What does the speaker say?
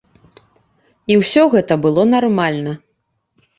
І ўсё гэта было нармальна.